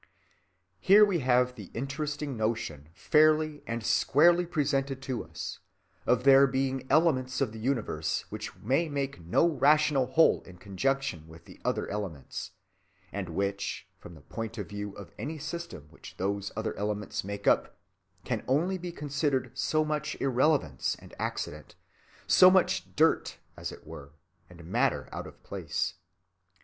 Here we have the interesting notion fairly and squarely presented to us, of there being elements of the universe which may make no rational whole in conjunction with the other elements, and which, from the point of view of any system which those other elements make up, can only be considered so much irrelevance and accident—so much "dirt," as it were, and matter out of place.